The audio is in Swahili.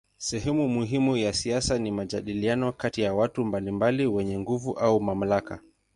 Sehemu muhimu ya siasa ni majadiliano kati ya watu mbalimbali wenye nguvu au mamlaka.